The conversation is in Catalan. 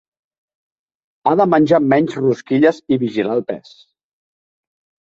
Ha de menjar menys rosquilles i vigilar el pes.